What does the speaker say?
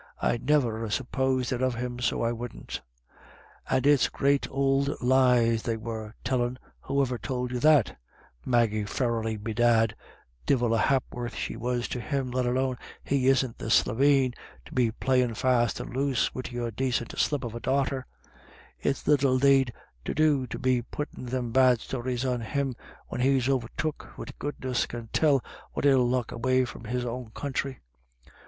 I'd niver ha* sup posed it of him, so I wouldn't" u And it's great ould lies they were tellin', who iver tould you that Maggie Farrelly, bedad ! Divil a hap'orth she was to him, let alone he isn't the slieveen to be playin' fast and loose wid your dacint little slip of a girl. It's little they've to do to be puttin' them bad stories on him, when he's overtook wid goodness can tell what ill luck away from his own country."